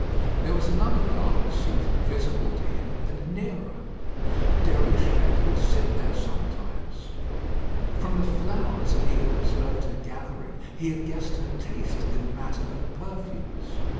There was another garden seat, visible to him, and nearer Déruchette would sit there sometimes. From the flowers that he had observed her gathering he had guessed her taste in the matter of perfumes.